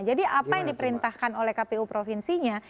jadi apa yang diperintahkan oleh kpu provinsinya